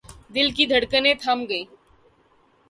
دل کی دھڑکنیں تھم گئیں۔